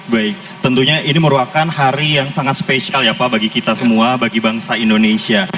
baik tentunya ini merupakan hari yang sangat spesial ya pak bagi kita semua bagi bangsa indonesia